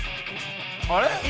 あれ？